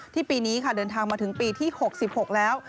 ปีนี้ค่ะเดินทางมาถึงปีที่๖๖แล้ว